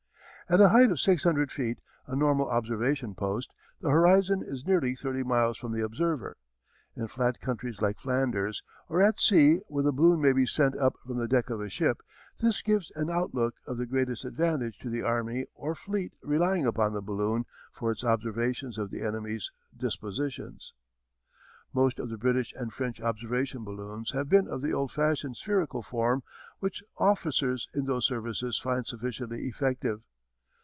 At a height of six hundred feet, a normal observation post, the horizon is nearly thirty miles from the observer. In flat countries like Flanders, or at sea where the balloon may be sent up from the deck of a ship, this gives an outlook of the greatest advantage to the army or fleet relying upon the balloon for its observations of the enemy's dispositions. [Illustration: The Balloon from which the Aviators Fled. © U. & U.] Most of the British and French observation balloons have been of the old fashioned spherical form which officers in those services find sufficiently effective.